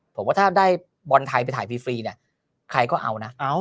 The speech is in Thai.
ผมว่าถ้าได้บอลไทยไปถ่ายฟรีเนี่ยใครก็เอานะ